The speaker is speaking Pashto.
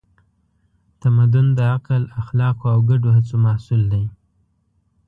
تمدن د عقل، اخلاقو او ګډو هڅو محصول دی.